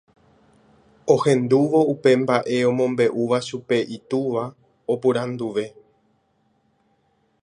Ohendúvo upe mba'e omombe'úva chupe itúva oporanduve.